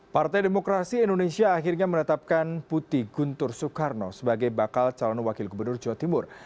partai demokrasi indonesia akhirnya menetapkan putih guntur soekarno sebagai bakal calon wakil gubernur jawa timur